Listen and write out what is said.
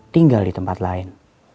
tinggal di tempat lain